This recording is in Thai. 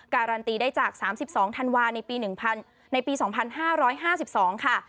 การันตีได้จาก๓๒ธันวาลในปี๒๕๕๒ค่ะ